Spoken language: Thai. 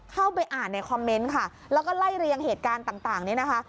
เข้าไปอ่านในคอมเมนต์ค่ะแล้วก็ไล่เรียงเหตุการณ์ต่างนี้นะคะ